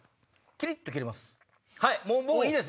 キリっと切れます。